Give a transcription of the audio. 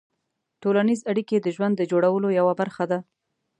ټولنیز اړیکې د ژوند د جوړولو یوه برخه ده.